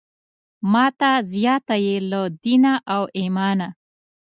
ماته زیاته یې له دینه او ایمانه.